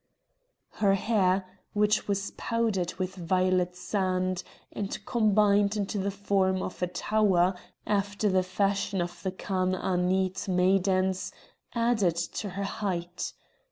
Her hair, which was powdered with violet sand, and combined into the form of a tower, after the fashion of the Chanaanite maidens, added to her height.